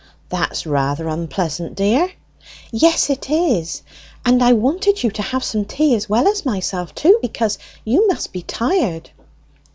"That's rather unpleasant, dear." "Yes, it is, and I wanted you to have some tea as well as myself too, because you must be tired."